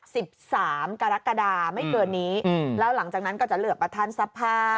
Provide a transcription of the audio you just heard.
สิบสามกรกฎาไม่เกินนี้อืมแล้วหลังจากนั้นก็จะเลือกประธานสภา